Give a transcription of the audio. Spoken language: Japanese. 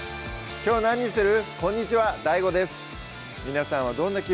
きょう何にする？